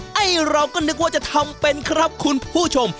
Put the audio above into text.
ให้เราก็นึกว่าจะทำเป็นครับคุณผู้ชม